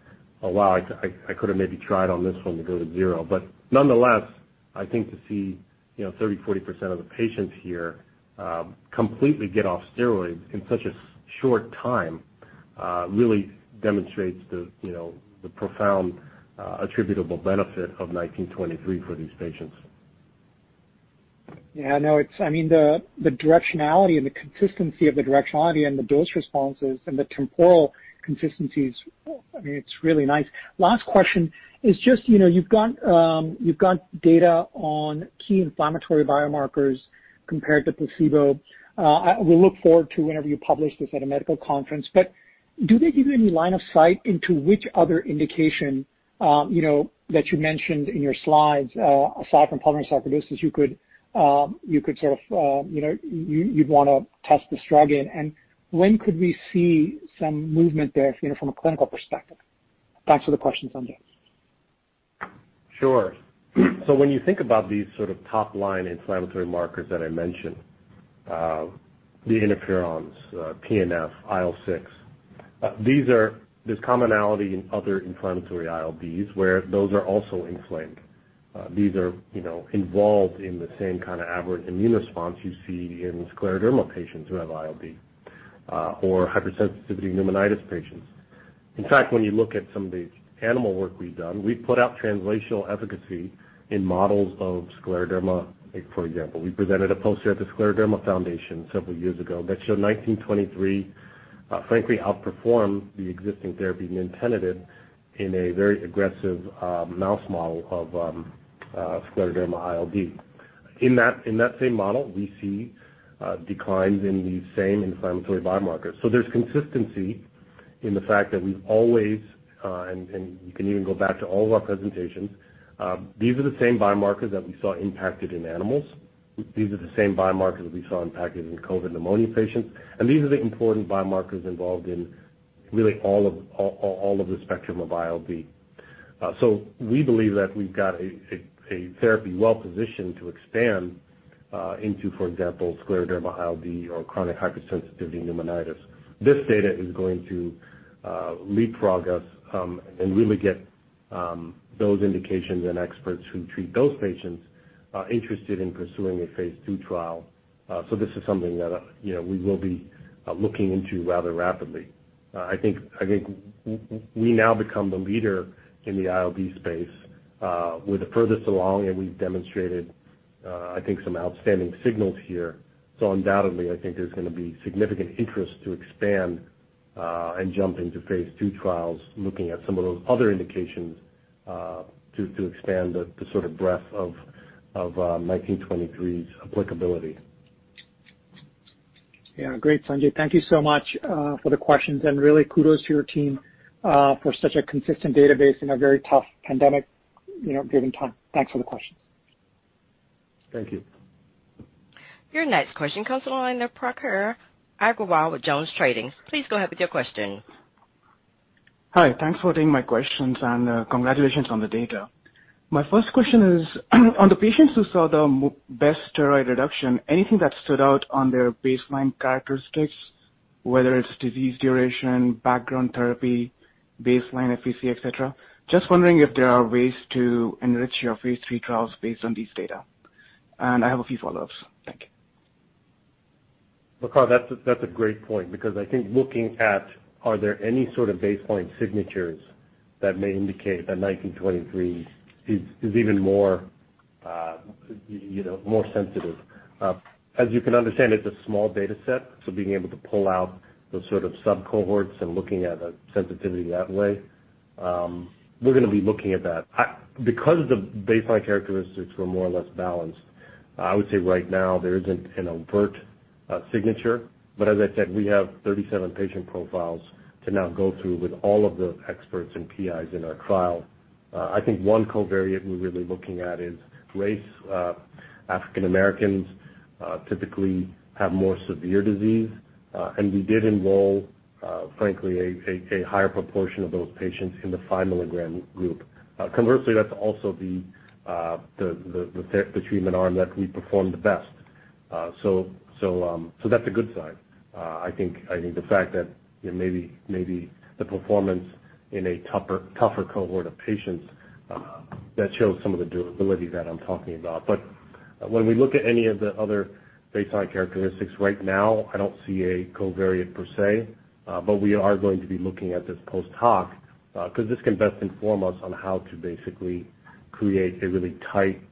"Oh, wow, I could have maybe tried on this one to go to zero." Nonetheless, I think to see 30%, 40% of the patients here completely get off steroids in such a short time really demonstrates the profound attributable benefit of ATYR1923 for these patients. Yeah. I know. I mean, the directionality and the consistency of the directionality and the dose responses and the temporal consistencies, I mean, it's really nice. Last question is just, you've got data on key inflammatory biomarkers compared to placebo. We look forward to it whenever you publish this at a medical conference. Do they give you any line of sight into which other indication that you mentioned in your slides, aside from pulmonary sarcoidosis, you'd want to test this drug in? When could we see some movement there from a clinical perspective? Thanks for the question, Sanjay. Sure. When you think about these sorts, of top-line inflammatory markers that I mentioned, the interferons, TNF, IL-6. These are this commonality in other inflammatory ILDs, where those are also inflamed. These are involved in the same kind of aberrant immune response you see in scleroderma patients who have ILD or hypersensitivity pneumonitis patients. In fact, when you look at some of the animal work we've done, we've put out translational efficacy in models of scleroderma. For example, we presented a poster at the Scleroderma Foundation several years ago that showed ATYR1923 frankly outperformed the existing therapy, nintedanib, in a very aggressive mouse model of scleroderma ILD. In that same model, we see declines in these same inflammatory biomarkers. There's consistency in the fact that we've always, and you can even go back to all of our presentations. These are the same biomarkers that we saw impacted in animals. These are the same biomarkers that we saw impacted in COVID-19 pneumonia patients, and these are the important biomarkers involved in really all of the spectrum of ILD. We believe that we've got a therapy well-positioned to expand into, for example, scleroderma ILD or chronic hypersensitivity pneumonitis. This data is going to leapfrog us and really get those indications and experts who treat those patients interested in pursuing a phase II trial. This is something that we will be looking into rather rapidly. I think we now become the leader in the ILD space. We're the furthest along, and we've demonstrated, I think, some outstanding signals here. Undoubtedly, I think there's going to be significant interest to expand and jump into phase II trials, looking at some of those other indications to expand the sort of breadth of ATYR1923's applicability. Great, Sanjay. Thank you so much for the questions and really kudos to your team for such a consistent database in a very tough pandemic given time. Thanks for the questions. Thank you. Your next question comes on the line, Prakhar Agrawal with JonesTrading. Please go ahead with your question. Hi. Thanks for taking my questions, and congratulations on the data. My first question is on the patients who saw the best steroid reduction, anything that stood out on their baseline characteristics, whether it's disease duration, background therapy, baseline FVC, et cetera? Just wondering if there are ways to enrich your phase III trials based on these data. I have a few follow-ups. Thank you. Prakhar, that's a great point. I think looking at are there any sort of baseline signatures that may indicate that ATYR1923 is even more sensitive. As you can understand, it's a small data set, being able to pull out those sort of sub-cohorts and looking at a sensitivity that way, we're going to be looking at that. The baseline characteristics were more or less balanced. I would say right now there isn't an overt signature, but as I said, we have 37 patient profiles to now go through with all of the experts and PIs in our trial. I think one covariate we're really looking at is race. African Americans typically have more severe disease. We did enroll, frankly, a higher proportion of those patients in the 5 milligram group. Conversely, that's also the treatment arm that we performed the best. That's a good sign. I think the fact that maybe the performance in a tougher cohort of patients that shows some of the durability that I'm talking about. When we look at any of the other baseline characteristics right now, I don't see a covariate per se, but we are going to be looking at this post hoc because this can best inform us on how to basically create a really tight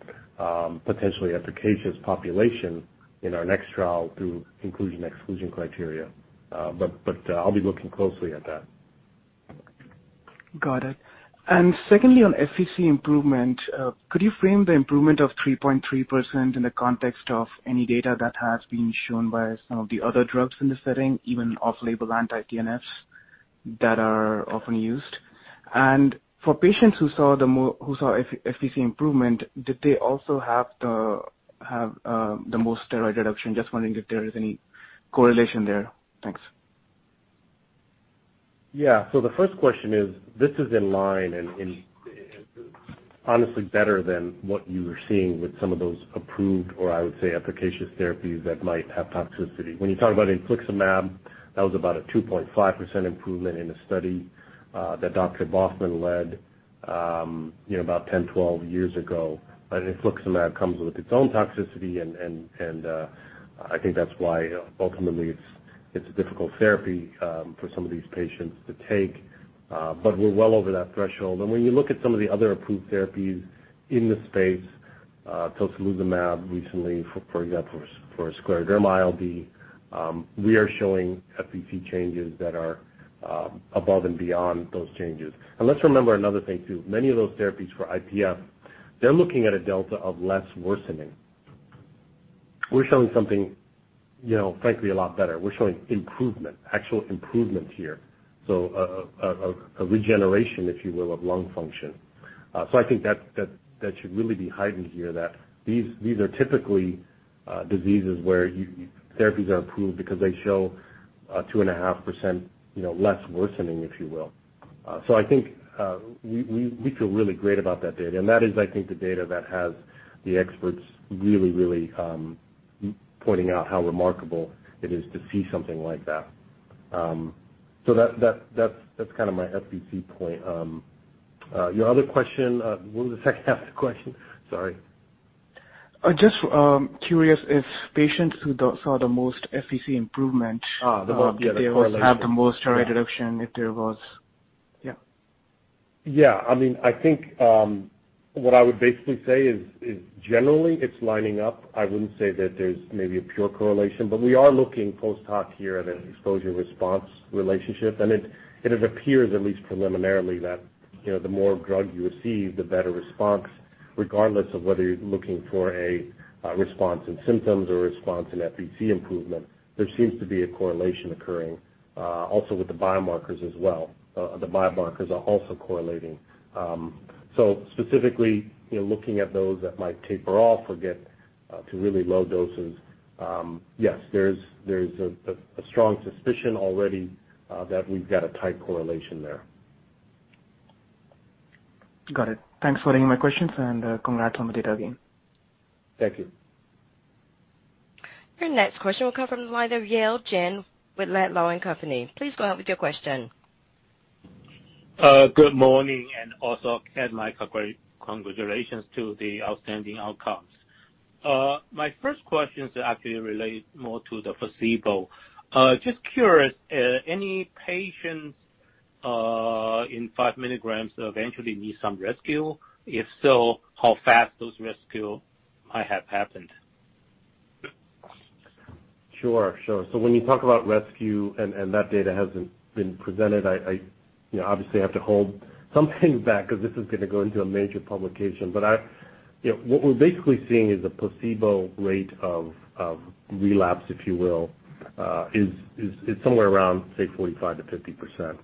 potentially efficacious population in our next trial through inclusion/exclusion criteria. I'll be looking closely at that. Got it. Secondly, on FVC improvement, could you frame the improvement of 3.3% in the context of any data that has been shown by some of the other drugs in the setting, even off-label anti-TNFs that are often used? For patients who saw FVC improvement, did they also have the most steroid reduction? Just wondering if there is any correlation there. Thanks. The first question is, this is in line and honestly better than what you were seeing with some of those approved, or I would say, efficacious therapies that might have toxicity. When you talk about infliximab, that was about a 2.5% improvement in a study that Dr. Baughman led about 10 to 12 years ago. Infliximab comes with its own toxicity, and I think that's why ultimately it's a difficult therapy for some of these patients to take. We're well over that threshold. When you look at some of the other approved therapies in the space, tocilizumab recently, for example, for scleroderma ILD, we are showing FVC changes that are above and beyond those changes. Let's remember another thing too. Many of those therapies for IPF, they're looking at a delta of less worsening. We're showing something frankly, a lot better. We're showing improvement, actual improvement here. A regeneration, if you will, of lung function. I think that should really be heightened here, that these are typically diseases where therapies are approved because they show 2.5% less worsening, if you will. I think we feel really great about that data, and that is, I think, the data that has the experts really pointing out how remarkable it is to see something like that. That's my FVC point. Your other question was what was the second half of the question? Sorry. I'm just curious if patients who saw the most FVC improvement. The correlation. Did they also have the most steroid reduction if there was? Yeah. Yeah. I think what I would basically say is generally it's lining up. I wouldn't say that there's maybe a pure correlation, but we are looking post hoc here at an exposure response relationship, and it appears at least preliminarily that the more drug you receive, the better response, regardless of whether you're looking for a response in symptoms or response in FVC improvement. There seems to be a correlation occurring also with the biomarkers as well. The biomarkers are also correlating. Specifically, looking at those that might taper off or get to really low doses. Yes, there's a strong suspicion already that we've got a tight correlation there. Got it. Thanks for answering my questions, and congrats on the data again. Thank you. Our next question will come from the line of Yale Jen with Laidlaw & Company. Please go ahead with your question. Good morning. Also, add my congratulations to the outstanding outcomes. My first question is actually related more to the placebo. Just curious, any patients in 5 milligrams eventually need some rescue? If so, how fast might those rescues have happened? Sure. When you talk about rescue, and that data hasn't been presented, I obviously have to hold something back because this is going to go into a major publication. What we're basically seeing is a placebo rate of relapse, if you will, is somewhere around, say, 45%-50%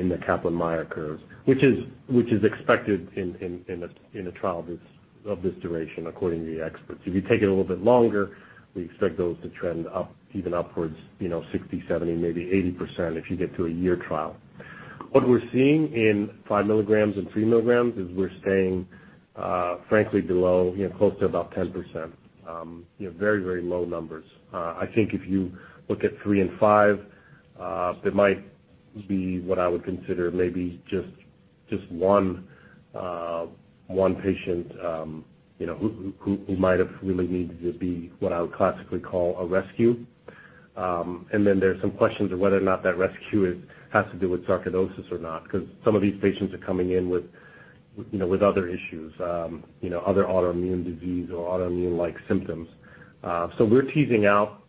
in the Kaplan-Meier curves, which is expected in a trial of this duration, according to the experts. If you take it a little bit longer, we expect those to trend up even upwards 60%, 70%, maybe 80% if you get to a year trial. What we're seeing in 5 milligrams and 3 milligrams is we're staying, frankly, below, close to about 10%. Very low numbers. I think if you look at three and five, there might be what I would consider maybe just one patient who might have really needed to be what I would classically call a rescue. There's some questions of whether or not that rescue has to do with sarcoidosis or not, because some of these patients are coming in with other issues, other autoimmune disease or autoimmune-like symptoms. We're teasing out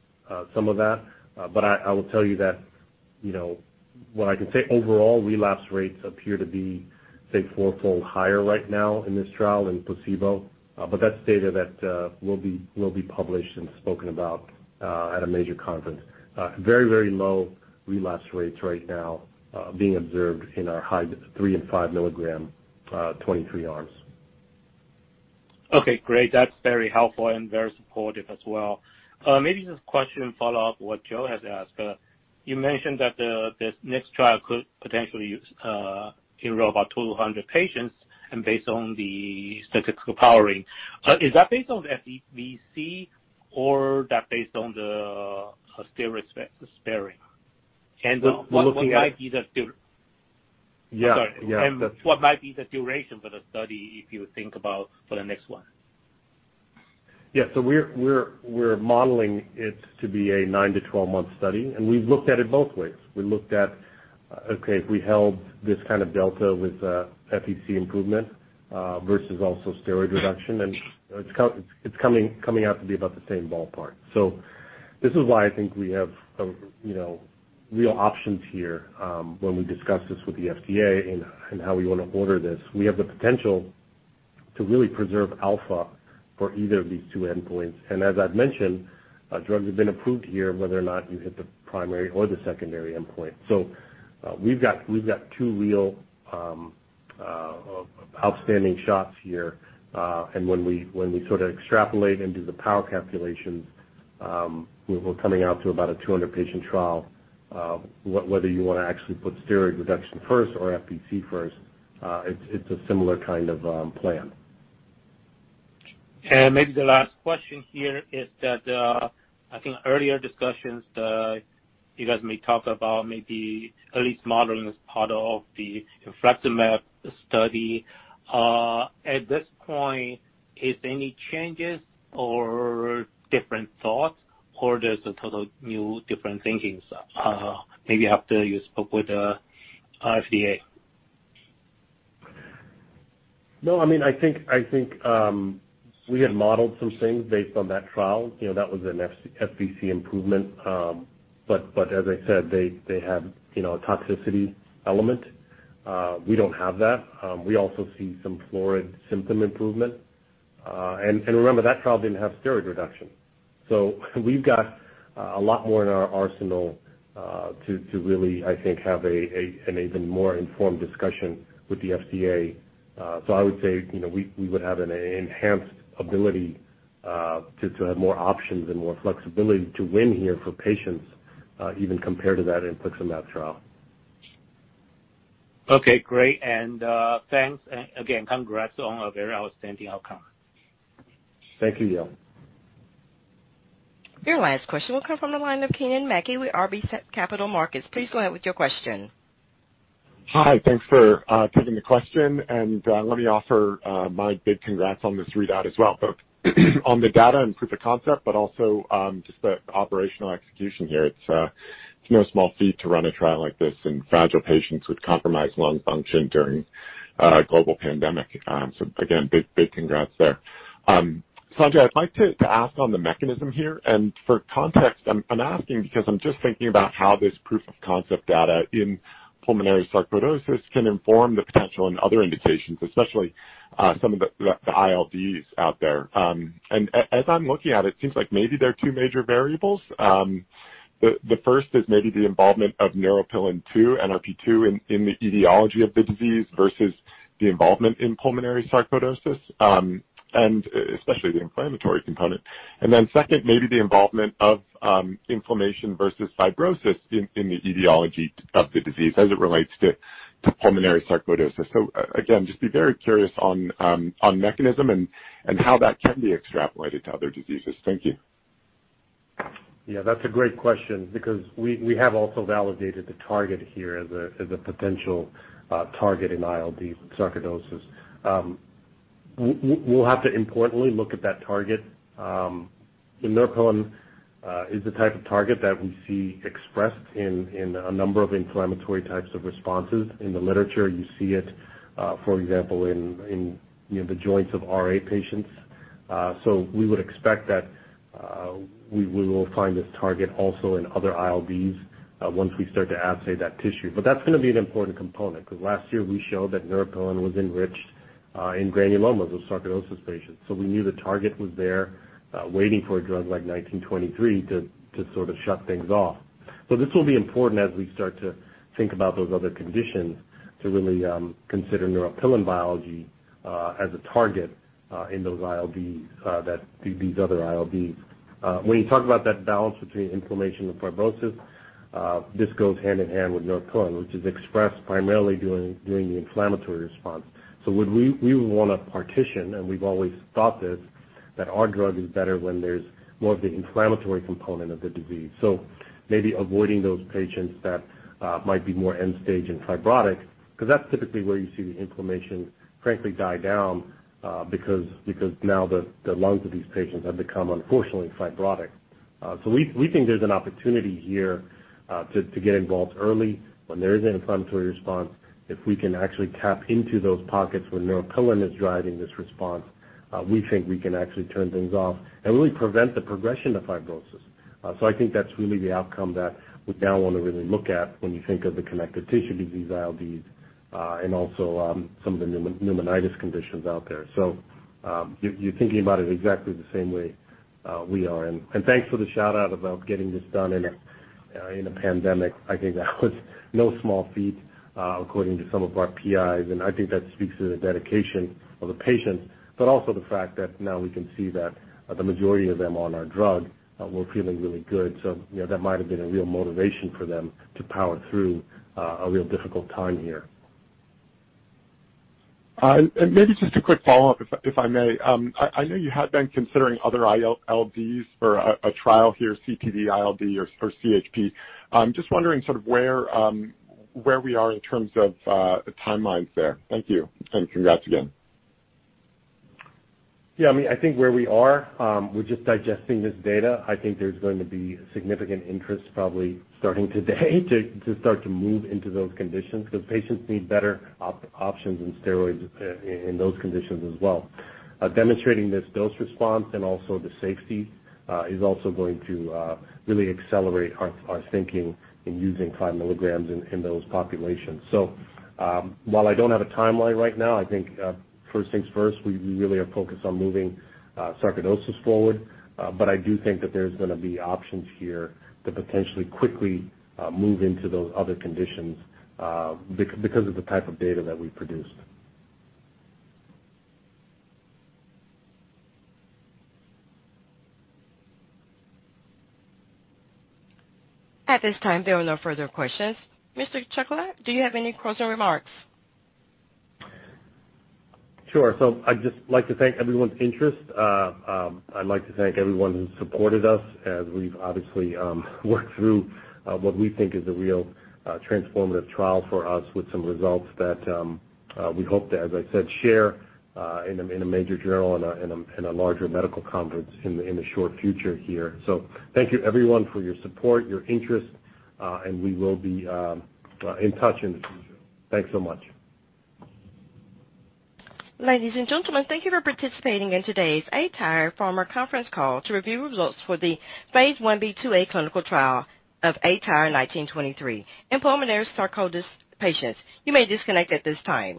some of that. I will tell you that what I can say overall, relapse rates appear to be, say, fourfold higher right now in this trial in placebo. That's data that will be published and spoken about at a major conference. Very low relapse rates right now being observed in our high 3 and 5 milligram 23 arms. Okay, great. That's very helpful and very supportive as well. Maybe just a question to follow up what Joe has asked. You mentioned that this next trial could potentially enroll about 200 patients, and based on the statistical powering. Is that based on FVC or that based on the steroid sparing? We're looking at- What might be the. Yeah. Sorry. Yeah. What might be the duration for the study, if you think about for the next one? Yeah. We're modeling it to be a nine to 12-month study, and we've looked at it both ways. We looked at, okay, if we held this kind of delta with FVC improvement versus also steroid reduction, and it's coming out to be about the same ballpark. This is why I think we have real options here when we discuss this with the FDA and how we want to order this. We have the potential to really preserve alpha for either of these two endpoints. As I've mentioned, drugs have been approved here, whether or not you hit the primary or the secondary endpoint. We've got two real outstanding shots here. When we sort of extrapolate and do the power calculations, we're coming out to about a 200-patient trial. Whether you want to actually put steroid reduction first or FVC first, it's a similar kind of plan. Maybe the last question here is that, I think earlier discussions, you guys may talk about maybe at least modeling as part of the infliximab study. At this point, is there any changes or different thoughts, or there's a total new different thinkings maybe after you spoke with FDA? No, I think we had modeled some things based on that trial. That was an FVC improvement. As I said, they had a toxicity element. We don't have that. We also see some florid symptom improvement. Remember that trial didn't have steroid reduction. We've got a lot more in our arsenal to really, I think, have an even more informed discussion with the FDA. I would say we would have an enhanced ability to have more options and more flexibility to win here for patients, even compared to that infliximab trial. Okay, great. Thanks again. Congrats on a very outstanding outcome. Thank you, Yale. Your last question will come from the line of Kennen MacKay with RBC Capital Markets. Please go ahead with your question. Hi. Thanks for taking the question. Let me offer my big congrats on this readout as well, both on the data and proof of concept, also just the operational execution here. It's no small feat to run a trial like this in fragile patients with compromised lung function during a global pandemic. Again, big congrats there. Sanjay, I'd like to ask on the mechanism here. For context, I'm asking because I'm just thinking about how this proof-of-concept data in pulmonary sarcoidosis can inform the potential in other indications, especially some of the ILDs out there. As I'm looking at it seems like maybe there are two major variables. The first is maybe the involvement of Neuropilin 2, NRP2, in the etiology of the disease versus the involvement in pulmonary sarcoidosis, especially the inflammatory component. Second, maybe the involvement of inflammation versus fibrosis in the etiology of the disease as it relates to pulmonary sarcoidosis. Again, just be very curious on mechanism and how that can be extrapolated to other diseases. Thank you. Yeah, that's a great question because we have also validated the target here as a potential target in ILD sarcoidosis. We'll have to importantly look at that target. The Neuropilin 2 is the type of target that we see expressed in a number of inflammatory types of responses. In the literature, you see it, for example, in the joints of RA patients. We would expect that we will find this target also in other ILDs once we start to assay that tissue. That's going to be an important component because last year we showed that Neuropilin 2 was enriched in granulomas of sarcoidosis patients. We knew the target was there, waiting for a drug like ATYR1923 to sort of shut things off. This will be important as we start to think about those other conditions to really consider Neuropilin 2 biology as a target in these other ILDs. When you talk about that balance between inflammation and fibrosis, this goes hand in hand with neuropilin, which is expressed primarily during the inflammatory response. We would want to partition, and we've always thought this, that our drug is better when there's more of the inflammatory component of the disease. Maybe avoiding those patients that might be more end-stage and fibrotic, because that's typically where you see the inflammation frankly die down because now the lungs of these patients have become, unfortunately, fibrotic. We think there's an opportunity here to get involved early when there is an inflammatory response. If we can actually tap into those pockets where neuropilin is driving this response, we think we can actually turn things off and really prevent the progression of fibrosis. I think that's really the outcome that we now want to really look at when you think of the connective tissue disease ILDs and also some of the pneumonitis conditions out there. You're thinking about it exactly the same way we are. Thanks for the shout-out about getting this done in a pandemic. I think that was no small feat, according to some of our PIs, and I think that speaks to the dedication of the patients, but also the fact that now we can see that the majority of them on our drug were feeling really good. That might have been a real motivation for them to power through a real difficult time here. Maybe just a quick follow-up, if I may. I know you had been considering other ILDs for a trial here, CTD-ILD or CHP. Just wondering sort of where we are in terms of the timelines there. Thank you, and congrats again. Yeah, I think where we are, we're just digesting this data. I think there's going to be significant interest probably starting today to start to move into those conditions because patients need better options than steroids in those conditions as well. Demonstrating this dose response and also the safety is also going to really accelerate our thinking in using 5 milligrams in those populations. While I don't have a timeline right now, I think first things first, we really are focused on moving sarcoidosis forward. I do think that there's going to be options here to potentially quickly move into those other conditions because of the type of data that we produced. At this time, there are no further questions. Mr. Shukla, do you have any closing remarks? Sure. I'd just like to thank everyone's interest. I'd like to thank everyone who supported us as we've obviously worked through what we think is a real transformative trial for us with some results that we hope to, as I said, share in a major journal in a larger medical conference in the short future here. Thank you everyone for your support, your interest, and we will be in touch in the future. Thanks so much. Ladies and gentlemen, thank you for participating in today's aTyr Pharma conference call to review results for the phase I-B/II-A clinical trial of ATYR1923 in pulmonary sarcoidosis patients. You may disconnect at this time.